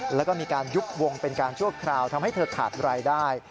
แล้วก็มีการยุบวงเป็นการชั่วคราวทำให้เธอขาดรายได้